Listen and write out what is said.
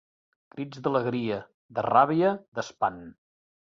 Crits d'alegria, de ràbia, d'espant.